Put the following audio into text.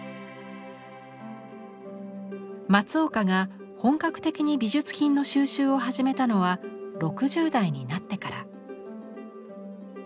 松岡が本格的に美術品の収集を始めたのは６０代になってから。